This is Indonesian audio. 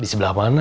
di sebelah mana